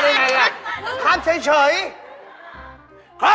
ดีกว่ากลัฉหน้า